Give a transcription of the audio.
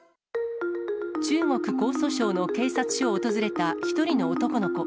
中国・江蘇省の警察署を訪れた１人の男の子。